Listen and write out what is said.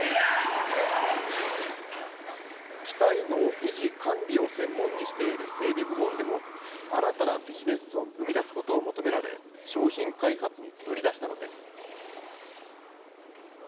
機体の維持・管理を専門にしている整備部門でも、新たなビジネスを生み出すことを求められ、商品開発に乗り出したのです。